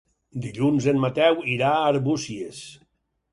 Dilluns en Mateu irà a Arbúcies.